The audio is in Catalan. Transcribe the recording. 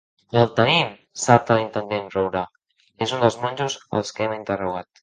El tenim! —salta l'intendent Roure— És un dels monjos als que hem interrogat.